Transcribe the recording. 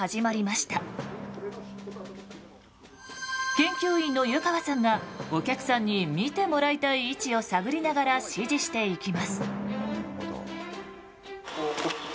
研究員の湯川さんがお客さんに見てもらいたい位置を探りながら指示していきます。